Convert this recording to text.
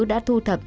đã thu thập